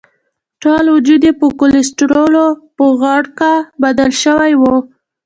ټول وجود یې په کولسټرولو په غړکه بدل شوی وو.